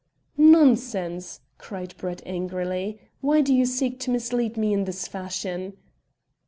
"Nonsense," cried Brett angrily. "Why do you seek to mislead me in this fashion?"